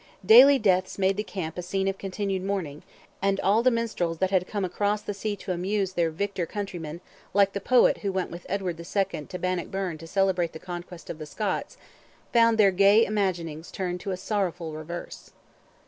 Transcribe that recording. Daily deaths made the camp a scene of continued mourning, and all the minstrels that had come across the sea to amuse their victor countrymen, like the poet who went with Edward II. to Bannockburn to celebrate the conquest of the Scots, found their gay imaginings turned to a sorrowful reverse.